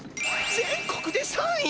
全国で３位！？